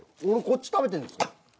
俺こっち食べてるんですよ。